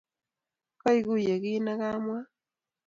kaiguiye kiit ne kamwa